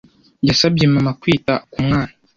Yasabye mama kwita ku mwana.